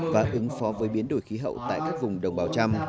và ứng phó với biến đổi khí hậu tại các vùng đồng bào trăm